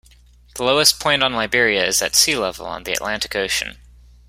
The lowest point on Liberia is at sea level on the Atlantic Ocean.